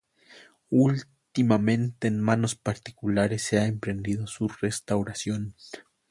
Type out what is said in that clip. Últimamente en manos particulares, se ha emprendido su restauración.